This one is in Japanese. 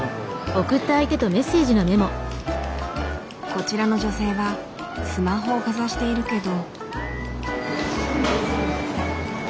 こちらの女性はスマホをかざしているけど。